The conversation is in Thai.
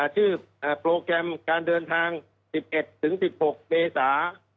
ชื่อโปรแกรมการเดินทาง๑๑๑๖เมษา